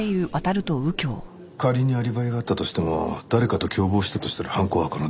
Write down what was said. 仮にアリバイがあったとしても誰かと共謀したとしたら犯行は可能です。